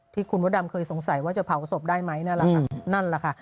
ที่คุณวัดดำเคยสงสัยว่าจะเผาศพได้ไหมนั่นแหละ